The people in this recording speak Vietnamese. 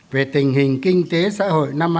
về tình hình kinh tế xã hội năm hai nghìn một mươi chín